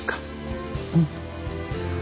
うん。